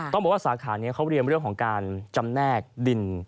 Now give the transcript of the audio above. ต้องบอกว่าสาขานี้เขาเรียมเรื่องของการจำแนกดิน